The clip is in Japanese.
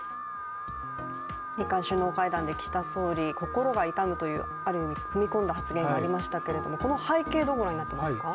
日韓首脳会談で岸田総理心が痛むというある意味踏み込んだ発言がありましたけれどもこの背景どうご覧になっていますか？